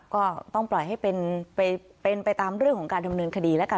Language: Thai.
ก็ต้องไปตามเรื่องของการดำเนินคดี